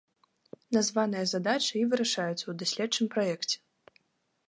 Названыя задачы і вырашаюцца ў даследчым праекце.